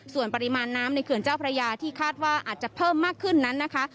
ส่วนปริมาณน้ำในเขื่อนเจ้าพระยาที่คาดว่าอาจจะเพิ่มมากขึ้นนั้นนะคะ